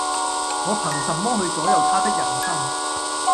我憑什麼去左右他的人生